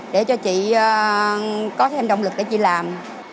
để cho chị có thêm động lực để chị làm